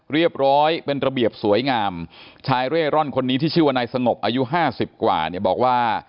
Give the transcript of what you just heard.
เรียบร้อยเป็นระเบียบสวยงามชายเร่ร่อนคนนี้ที่ชื่อว่านายสงบอายุห้าสิบกว่าเนี่ยบอกว่า